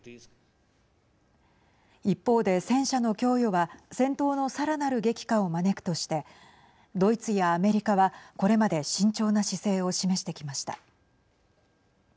一方で戦車の供与は戦闘のさらなる激化を招くとしてドイツやアメリカはこれまで慎重な姿勢を示してきました。